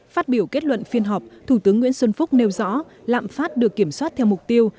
phát biểu kết luận phiên họp thủ tướng nguyễn xuân phúc nêu rõ lạm phát được kiểm soát theo mục tiêu